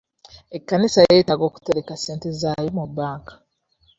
Ekkanisa yeetaaga okuteleka ssente zaayo mu bbanka.